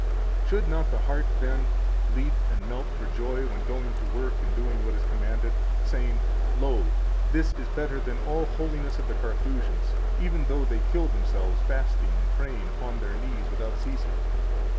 120 Should not the heart, then, leap and melt for joy when going to work and doing what is commanded, saying: Lo, this is better than all holiness of the Carthusians, even though they kill themselves fasting and praying upon their knees without ceasing?